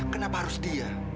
kenapa harus dia